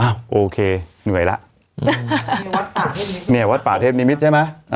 อ่ะโอเคเหนื่อยล่ะเนี้ยวัดปาเทพนิมิตรใช่ไหมอ่า